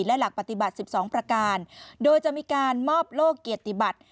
และหลักปฏิบัติ๑๒ประการโดยจะมีการมอบโลกเกียรติบัติ